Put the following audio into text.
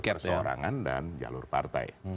persorangan dan jalur partai